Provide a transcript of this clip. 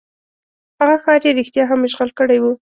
هغه ښار یې رښتیا هم اشغال کړی وو.